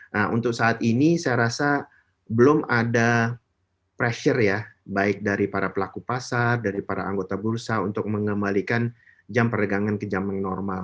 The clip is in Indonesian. nah untuk saat ini saya rasa belum ada pressure ya baik dari para pelaku pasar dari para anggota bursa untuk mengembalikan jam perdagangan ke jam yang normal